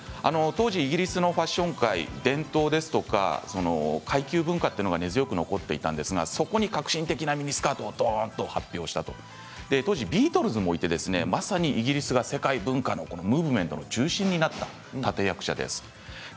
当時イギリスのファッション界伝統ですとか階級文化というのが根強く残っていましたがそこに革新的なミニスカートを発表したということで当時ビートルズもいてまさにイギリスが世界文化のムーブメントの中心だったという立役者でもあります。